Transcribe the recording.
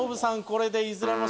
これでいずれも失敗。